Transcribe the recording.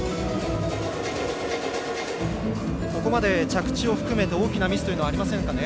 ここまで着地を含めて大きなミスはありませんかね。